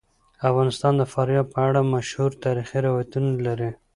افغانستان د فاریاب په اړه مشهور تاریخی روایتونه لري.